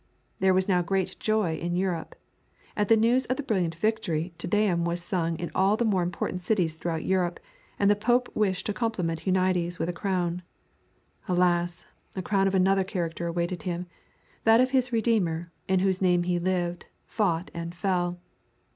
There was now great joy in Europe. At the news of the brilliant victory Te deum was sung in all the more important cities throughout Europe, and the Pope wished to compliment Huniades with a crown. Alas! a crown of another character awaited him that of his Redeemer, in whose name he lived, fought, and fell.